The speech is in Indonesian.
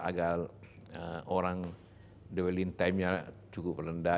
agar orang diwaling timenya cukup rendah